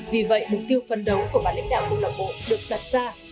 vì vậy mục tiêu phân đấu của bản lãnh đạo công lạc bộ được đặt ra